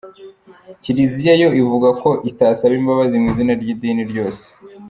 Kiliziya yo ivuga ko itasaba imbabazi mu izina ry'idini ryose.